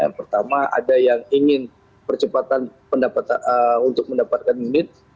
yang pertama ada yang ingin percepatan untuk mendapatkan unit